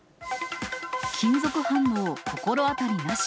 金属反応、心当たりなし。